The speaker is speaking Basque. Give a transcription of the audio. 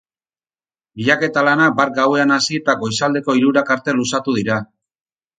Bilaketa lanak bart gauean hasi eta goizaldeko hirurak arte luzatu dira.